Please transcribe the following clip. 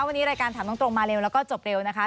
วันนี้รายการถามตรงมาเร็วแล้วก็จบเร็วนะคะ